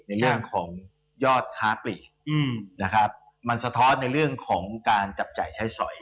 ในเรื่องของยอดค้าปลีกนะครับมันสะท้อนในเรื่องของการจับจ่ายใช้สอย